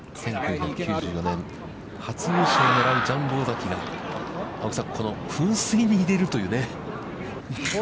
１９９４年、初優勝を狙うジャンボ尾崎が、青木さん、この噴水に入れるというね。